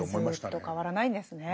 はいずっと変わらないんですね。